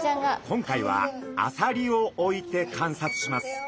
今回はアサリを置いて観察します。